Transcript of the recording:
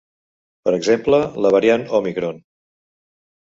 Per exemple, la variant òmicron.